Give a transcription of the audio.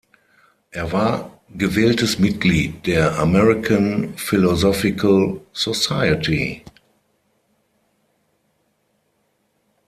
Er war gewähltes Mitglied der American Philosophical Society.